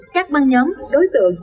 các băng nhóm đối tượng